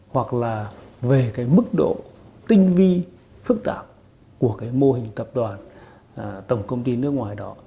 hoặc là về cái mức độ tinh vi phức tạp của cái mô hình tập đoàn tổng công ty nước ngoài đó